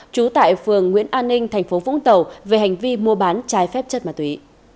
trú tại phường nguyễn an ninh tp vũng tàu về hành vi mua bán trái phép chất ma túy